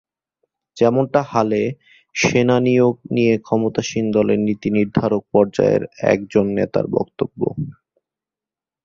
যেমনটা হালে সেনা নিয়োগ নিয়ে ক্ষমতাসীন দলের নীতিনির্ধারক পর্যায়ের একজন নেতার বক্তব্য।